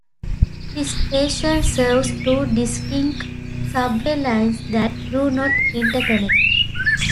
The station serves two distinct subway lines that do not interconnect.